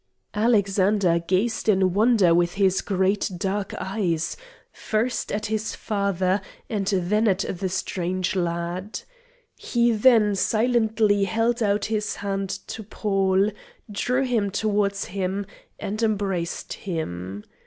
Alexander gazed in wonder with his great dark eyes, first at his father and then at the strange lad. He then silently held out his hand to Paul, drew him towards him, and embraced him.